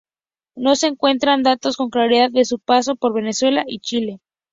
No se encuentran datos con claridad de su paso por Venezuela y Chile.